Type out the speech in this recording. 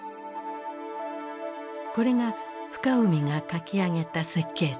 これが深海が描き上げた設計図。